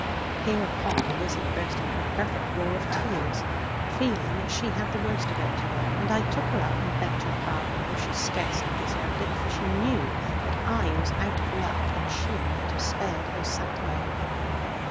Hereupon Lizzie burst into a perfect roar of tears; feeling that she had the worst of it. And I took her up, and begged her pardon; although she scarcely deserved it; for she knew that I was out of luck, and she might have spared her satire.